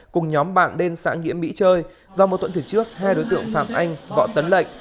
cùng nhóm bạn đen xã nghĩa mỹ chơi do một tuần từ trước hai đối tượng phạm anh võ tấn lệnh